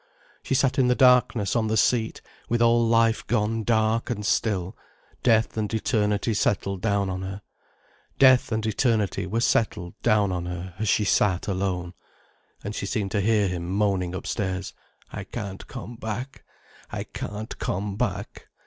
She sat in the darkness on the seat, with all life gone dark and still, death and eternity settled down on her. Death and eternity were settled down on her as she sat alone. And she seemed to hear him moaning upstairs—"I can't come back. I can't come back."